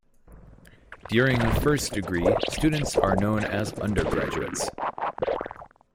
During a first degree students are known as undergraduates.